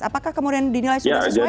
apakah kemudian dinilai sudah sesuai